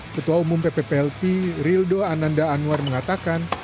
ketua umum pp plt rildo ananda anwar mengatakan